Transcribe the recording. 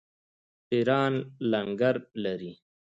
پیران لنګر لري.